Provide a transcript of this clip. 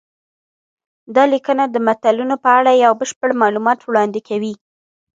دا لیکنه د متلونو په اړه یو بشپړ معلومات وړاندې کوي